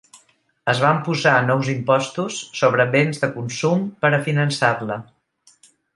Es van posar nous impostos sobre béns de consum per a finançar-la.